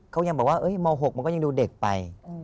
เขายังบอกว่าม๖มันก็ยังดูเด็กไป